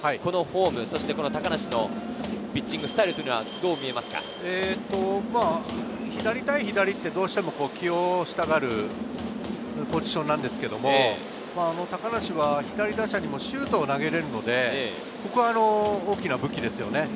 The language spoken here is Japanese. このフォーム、高梨のピッチングスタイルはどう見えま左対左はどうしても起用したがるポジションなんですけれど、高梨は左打者にもシュートを投げられるので大きな武器ですよね。